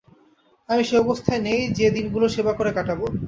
আমি সেই অবস্থায় নেই যে দিনগুলো সেবা করে কাটাবো।